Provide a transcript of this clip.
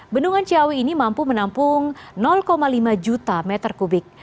bendungan ciawi ini mampu menampung lima juta meter kubik